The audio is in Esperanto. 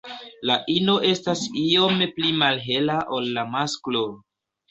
La ino estas iome pli malhela ol la masklo.